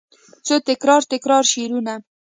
څو تکرار، تکرار شعرونه